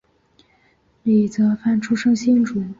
李泽藩出生新竹